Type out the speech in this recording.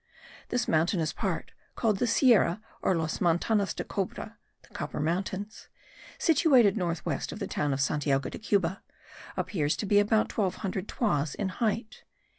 This mountainous part, called the Sierra or Las Montanas del Cobre (the Copper Mountains), situated north west of the town of Santiago de Cuba, appears to be about 1200 toises in height.